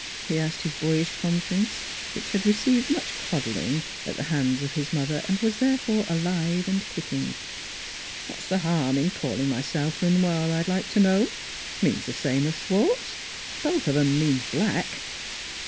he asked his boyish conscience, which had received much coddling at the hands 244 NEIGHBORS of his mother and was therefore alive and kick ing. ..." What's the harm in calling myself Le Noir, I'd like to know? Means the same as Schwartz. Both of 'em mean Black.